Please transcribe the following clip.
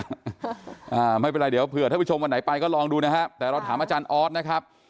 อ่าไม่เป็นไรเดี๋ยวเผื่อท่านผู้ชมวันไหนไปก็ลองดูนะฮะแต่เราถามอาจารย์ออสนะครับ